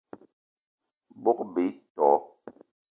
Bogb-ito